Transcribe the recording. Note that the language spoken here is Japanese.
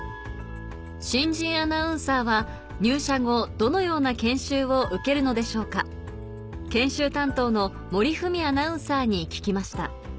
新人アナウンサーは入社後どのような研修を受けるのでしょうか研修担当のに聞きました